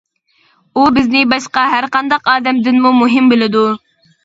ئۇ بىزنى باشقا ھەرقانداق ئادەمدىنمۇ مۇھىم بىلىدۇ.